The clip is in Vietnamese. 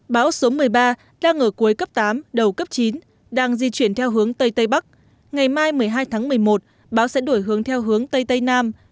bão số một mươi ba đang ở cuối cấp tám đầu cấp chín đang di chuyển theo hướng tây tây bắc ngày mai một mươi hai tháng một mươi một bão sẽ đổi hướng theo hướng tây tây nam